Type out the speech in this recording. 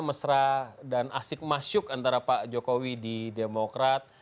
mesra dan asik masyuk antara pak jokowi di demokrat